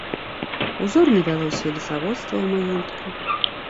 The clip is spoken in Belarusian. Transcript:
Узорна вялося і лесаводства ў маёнтку.